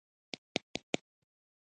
هیلۍ خپل ملګري نه پرېږدي